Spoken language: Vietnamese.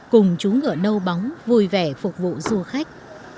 cùng chú ngựa nâu bóng vui vẻ phục vụ du khách